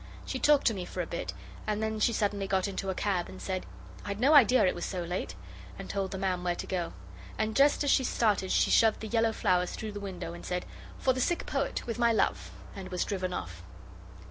She talked to me for a bit, and then she suddenly got into a cab, and said 'I'd no idea it was so late,' and told the man where to go. And just as she started she shoved the yellow flowers through the window and said, 'For the sick poet, with my love,' and was driven off.